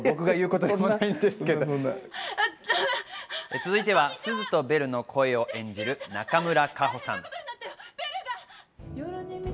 続いては、すずとベルの声を演じる中村佳穂さん。